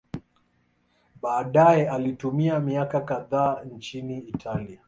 Baadaye alitumia miaka kadhaa nchini Italia.